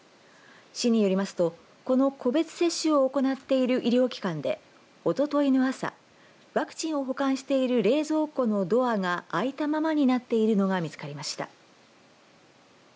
市によりますとこの個別接種を行っている医療機関で、おとといの朝ワクチンを保管している冷蔵庫のドアがあいたままになっているのが見つかりました。